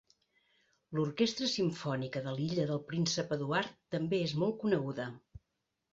L'Orquestra Simfònica de l'Illa del Príncep Eduard també és molt coneguda.